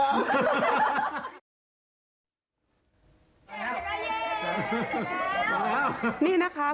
เกอนี้ได้เสด็จแล้ว